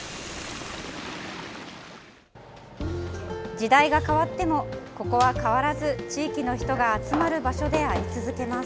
時代が変わってもここは変わらず地域の人が集まる場所であり続けます。